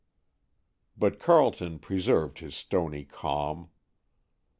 But Carleton preserved his stony calm.